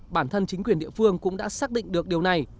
bản thân chính quyền địa phương cũng đã xác định được điều này